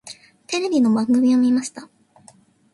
テレビの番組を見ました。